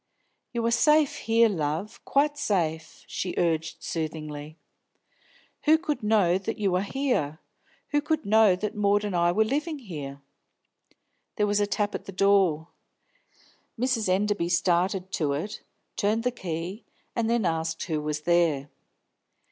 "You are safe here, love, quite safe!" she urged soothingly. "Who could know that you are here? Who could know that Maud and I were living here?" There was a tap at the door. Mrs. Enderby started to it, turned the key, and then asked who was there.